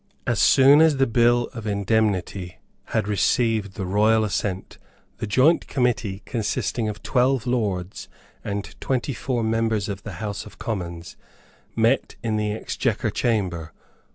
As soon as the Bill of Indemnity had received the royal assent, the joint committee, consisting of twelve lords and twenty four members of the House of Commons, met in the Exchequer Chamber.